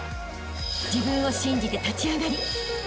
［自分を信じて立ち上がりあしたへ